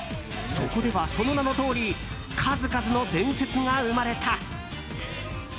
そこでは、その名のとおり数々の伝説が生まれた。